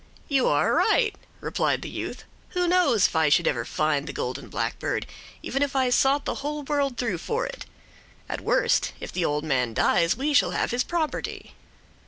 "You are right," replied the youth. "Who knows if I should ever find the golden blackbird, even if I sought the whole world through for it? At the worst, if the old man dies we shall have his property."